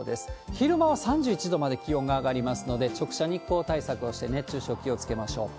昼間は３１度まで気温が上がりますので、直射日光対策をして、熱中症気をつけましょう。